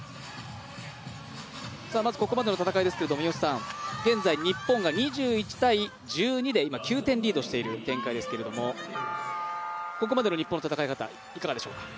まずはここまでの戦いぶりですが現在、日本が２１−１２で９点リードしている展開ですけどもここまでの日本の戦い方いかがでしょうか？